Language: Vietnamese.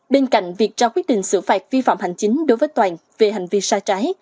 bên cạnh việc ra quyết định xử phạt vi phạm hành chính đối với toàn về hành vi sai trái